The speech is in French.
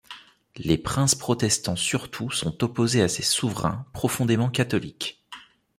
Les princes protestants surtout sont opposés à ces souverains profondément catholiques.